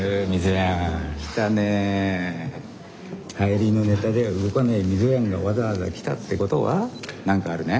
はやりのネタでは動かない溝やんがわざわざ来たってことは何かあるね？